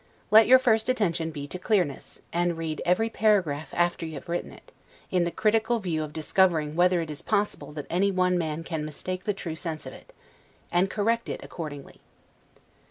Let your first attention be to clearness, and read every paragraph after you have written it, in the critical view of discovering whether it is possible that any one man can mistake the true sense of it: and correct it accordingly.